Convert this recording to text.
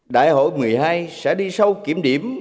đại hội một mươi hai sẽ đi sâu kiểm điểm